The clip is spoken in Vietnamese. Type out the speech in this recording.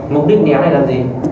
mục đích ném này là gì